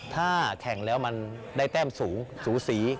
ถ้าแข่งแล้วมันได้แต้มสูงสูสี